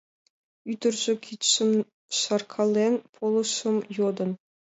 Ӱдыржӧ, кидшым шаркален, полышым йодын.